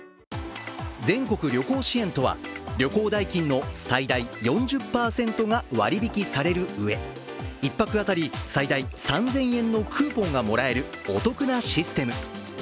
全国旅行支援とは、旅行代金の最大４０％が割引されるうえ、１泊当たり、最大３０００円のクーポンがもらえるお得なシステム。